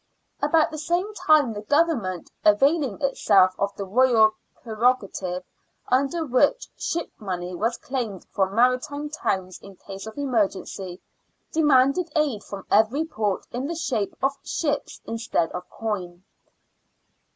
About the same time the Government, availing itself of the Royal prerogative under which shipmoney was claimed from maritime towns in case of emergency, demanded aid from every port in the shape of ships instead of coin.